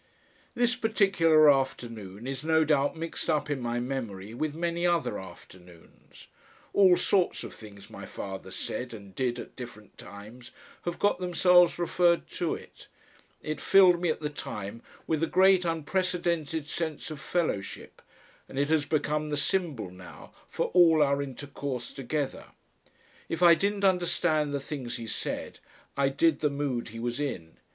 This particular afternoon is no doubt mixed up in my memory with many other afternoons; all sorts of things my father said and did at different times have got themselves referred to it; it filled me at the time with a great unprecedented sense of fellowship and it has become the symbol now for all our intercourse together. If I didn't understand the things he said, I did the mood he was in.